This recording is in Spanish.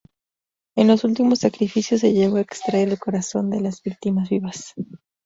En los últimos sacrificios se llegó a extraer el corazón de las víctimas vivas.